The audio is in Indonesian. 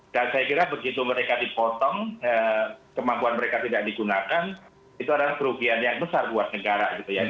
dan saya kira begitu mereka dipotong kemampuan mereka tidak digunakan itu adalah kerugian yang besar buat negara